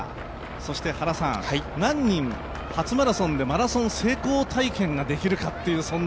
そして原さん、何人初マラソンでマラソン成功体験ができるか。